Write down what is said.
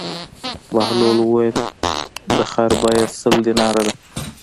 بهلول وویل: د خر بېه سل دیناره ده.